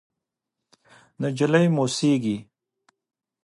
نجلۍ موسېږي…